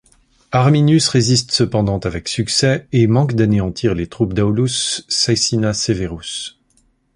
Arminius résiste cependant avec succès, et manque d'anéantir les troupes d'Aulus Caecina Severus.